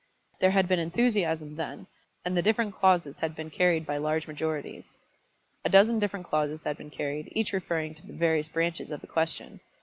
There had been enthusiasm then, and the different clauses had been carried by large majorities. A dozen different clauses had been carried, each referring to various branches of the question.